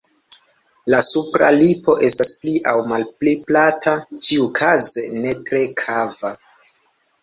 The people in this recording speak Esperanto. La supra lipo estas pli aŭ malpli plata, ĉiuokaze ne tre kava.